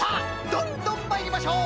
どんどんまいりましょう！